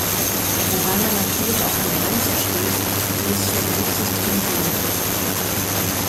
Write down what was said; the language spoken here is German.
Wobei man natürlich auch an Grenzen stößt, die es zu berücksichtigen gilt.